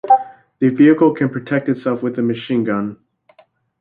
The vehicle can protect itself with a machine gun.